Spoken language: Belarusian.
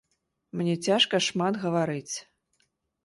Мне цяжка шмат гаварыць.